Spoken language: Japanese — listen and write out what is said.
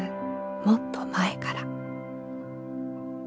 もっと前から。